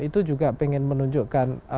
itu juga pengen menunjukkan